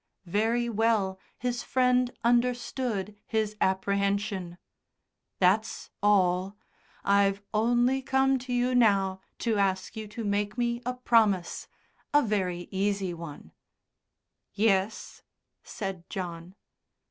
Very well his friend understood his apprehension. "That's all. I've only come to you now to ask you to make me a promise a very easy one." "Yes?" said John.